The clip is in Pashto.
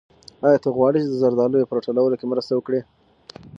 آیا ته غواړې چې د زردالیو په راټولولو کې مرسته وکړې؟